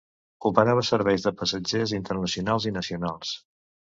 Operava serveis de passatgers internacionals i nacionals.